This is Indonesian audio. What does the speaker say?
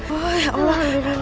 oh ya allah